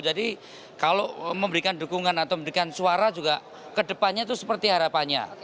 jadi kalau memberikan dukungan atau memberikan suara juga ke depannya itu seperti harapannya